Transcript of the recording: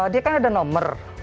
dia kan ada nomor